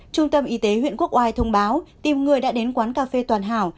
trung tâm y tế huyện quốc oai thông báo tìm người đã đến quán cà phê toàn hảo